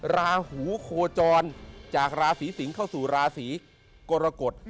ราหูโคจรจากราศีสิงศ์เข้าสู่ราศีกรกฎ